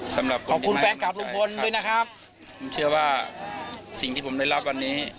สำหรับคนที่ไม่อยากได้นะครับครับผมเชื่อว่าสิ่งที่ผมได้รับวันนี้